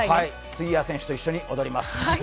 杉谷選手と一緒に踊ります。